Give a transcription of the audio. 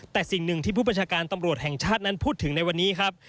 แต่สิ่งหนึ่งที่ผู้ประชาการตำรวจแห่งชาตินั้นพูดถึงในวันนี้ครับ